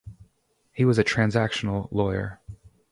He was a transactional lawyer.